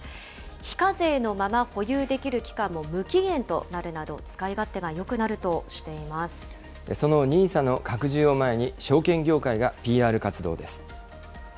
非課税のまま保有できる期間も無期限となるなど、使い勝手がよくそのＮＩＳＡの拡充を前に、証券業界がＰＲ活動です。